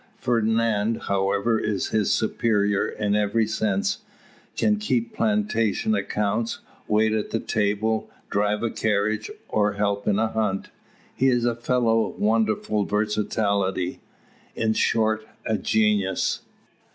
Fernand, however, is his superior in every sense; can keep plantation accounts, wait at table, drive a carriage, or help in a hunt. He's a fellow of wonderful versatility; in short, a genius.